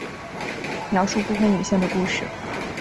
描述不婚女性的故事。